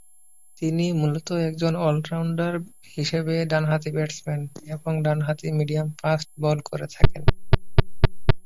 তিনি মূলত একজন অল-রাউন্ডার হিসেবে ডানহাতি ব্যাটসম্যান এবং ডান-হাতি মিডিয়াম ফাস্ট বল করে থাকেন।